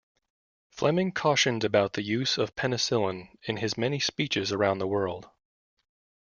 Fleming cautioned about the use of penicillin in his many speeches around the world.